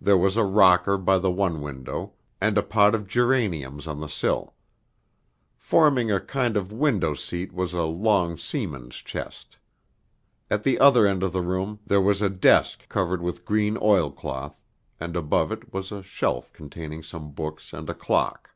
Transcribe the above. There was a rocker by the one window, and a pot of geraniums on the sill; forming a kind of window seat was a long seaman's chest. At the other end of the room there was a desk covered with green oilcloth, and above it was a shelf containing some books and a clock.